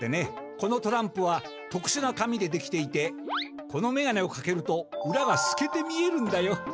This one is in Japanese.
このトランプはとくしゅな紙でできていてこのめがねをかけるとうらがすけて見えるんだよ。